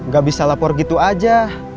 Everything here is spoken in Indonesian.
gak bisa lapor gitu aja